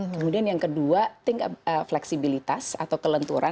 kemudian yang kedua flexibilitas atau kelenturan